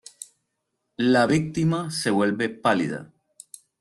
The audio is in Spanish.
La víctima se vuelve pálida.